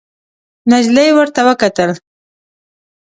نجلۍ ورته وکتل.